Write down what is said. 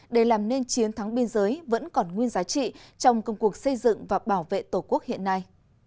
để làm nên chiến thắng biên giới vẫn còn nguyên giá trị trong công cuộc xây dựng và bảo vệ tổ quốc hiện nay